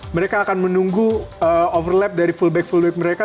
mereka akan menunggu overlap dari fullback fullback mereka